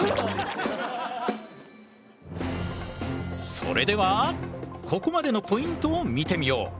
それではここまでのポイントを見てみよう。